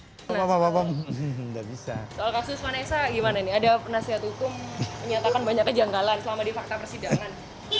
soal kasus vanessa gimana nih ada penasihat hukum menyatakan banyak kejanggalan selama di fakta persidangan